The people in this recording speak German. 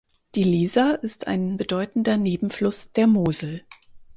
Die Lieser ist ein bedeutender Nebenfluss der Mosel.